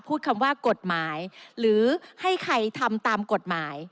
พูดคำว่ากฎหมายหรือให้ใครทำตามกฎหมาย